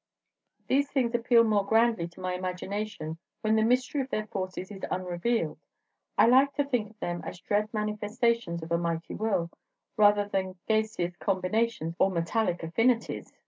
"These things appeal more grandly to my imagination when the mystery of their forces is unrevealed. I like to think of them as dread manifestations of a mighty will, rather than gaseous combinations or metallic affinities."